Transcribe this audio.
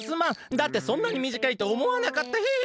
だってそんなにみじかいとおもわなかったヒン！